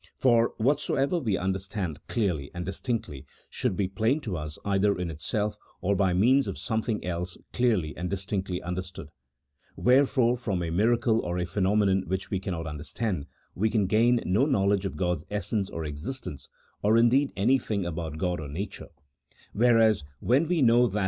For whatsoever we understand clearly and distinctly should be plain to us either in itself or by means of something else clearly and distinctly understood ; wherefore from a miracle or a phenomenon which we cannot understand, we can gain no knowledge of God's essence, or existence, or indeed any thing about God or nature ; whereas when we know that 86 A THEOLOGICO POLITICAL TREATISE. [CHAP. VI.